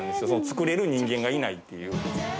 作れる人間がいないっていう。